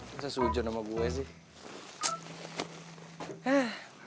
bisa sujun sama gue sih